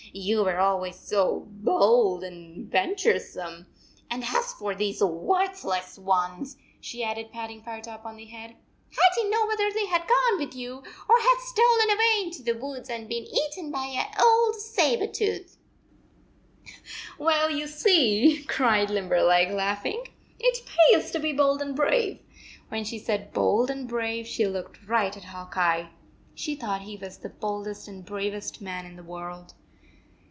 You were always so bold and venturesome. And as for these worthless ones," she added, pat 160 ting Firetop on the head, "I did n t know whether they had gone with you, or had stolen away into the woods and been eaten by old Saber tooth." "Well, you see," cried Limberleg, laugh ing, "it pays to be bold and brave." When she said "bold and brave," she looked right at Hawk Eye. She thought he was the boldest and bravest man in the world.